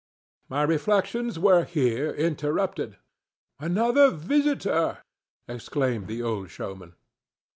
My reflections were here interrupted. "Another visitor!" exclaimed the old showman.